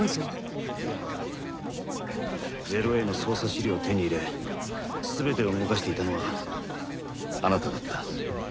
０−Ａの捜査資料を手に入れ全てを動かしていたのはあなただった。